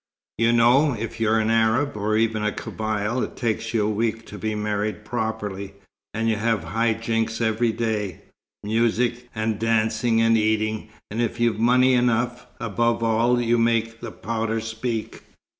You know, if you're an Arab, or even a Kabyle, it takes you a week to be married properly, and you have high jinks every day: music and dancing and eating, and if you've money enough, above all you make the powder speak.